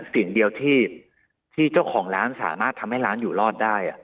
สิ่งเดียวที่เจ้าของร้านสามารถทำให้ร้านอยู่รอดได้